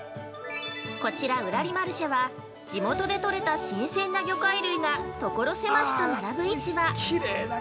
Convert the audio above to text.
◆こちら、うらりマルシェは、地元でとれた新鮮な魚介類が所狭しとならぶ市場。